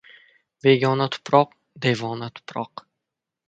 Begona tuproq — devona tuproq.